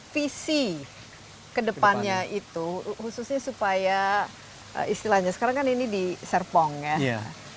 visi kedepannya itu khususnya supaya istilahnya sekarang kan ini di serpong ya